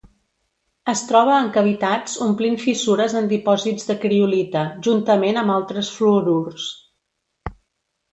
Es troba en cavitats omplint fissures en dipòsits de criolita, juntament amb altres fluorurs.